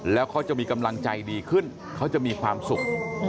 แล้วเขาจะมีกำลังใจดีขึ้นเขาจะมีความสุข